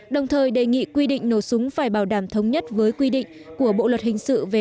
đồng thời đề nghị quy định nổ súng phải bảo đảm thống nhất với quy định của bộ luật hình sự về